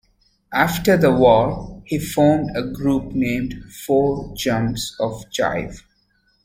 After the war, he formed a group named the Four Jumps of Jive.